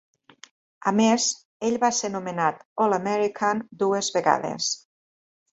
A més, ell va ser nomenat All-American dues vegades.